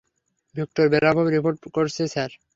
Victor Bravo report করছে, sir!